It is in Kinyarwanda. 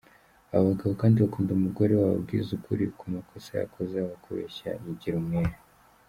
Aba bagabo kandi bakunda umugore wababwiza ukuri ku makosa yakoze aho kubeshya yigira umwere.